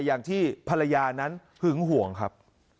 อย่างที่ภรรยานั้นหึงห่วงครับ